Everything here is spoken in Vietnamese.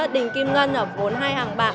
đình kim ngân ở vốn hai hàng bạc